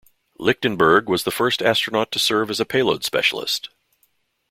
Lichtenberg was the first astronaut to serve as a Payload Specialist.